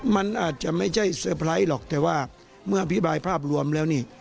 มันอาจจะไม่ใช่เซอร์ไพรส์หรอกแต่ว่าเมื่ออภิบายภาพรวมแล้วนี่